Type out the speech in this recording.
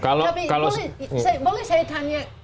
tapi boleh saya tanya